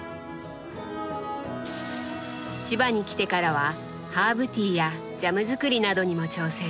千葉に来てからはハーブティーやジャム作りなどにも挑戦。